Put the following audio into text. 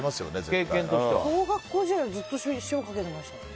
小学校時代ずっと塩かけてましたね。